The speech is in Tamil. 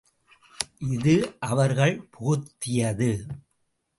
இது அவர்கள் புகுத்தியது.